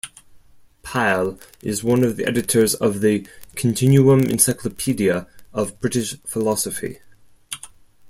Pyle is one of the editors of the "Continuum Encyclopedia of British Philosophy".